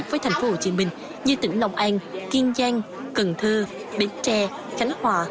với tp hcm như tỉnh lòng an kiên giang cần thơ bến tre khánh hòa